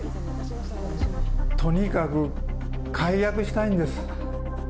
とにかく解約したいんです。